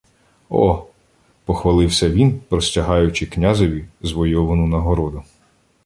— О! — похвалився він, простягаючи князеві звойовану нагороду.